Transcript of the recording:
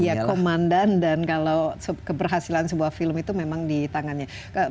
iya komandan dan kalau keberhasilan sebuah film itu memang di tangannya